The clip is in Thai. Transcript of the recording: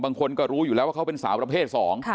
บางคนก็รู้อยู่แล้วว่าเขาเป็นสาวประเภท๒